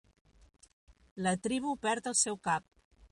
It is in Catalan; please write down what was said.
La tribu perd el seu cap.